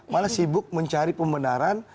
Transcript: malah sibuk mencari pembunaran